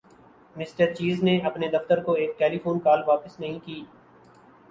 mister Cheese نے اپنے دفتر کو ایک ٹیلیفون کال واپس نہیں کی